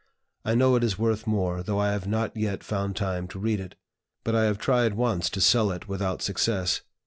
I know it is worth more, though I have not yet found time to read it; but I have tried once to sell it without success.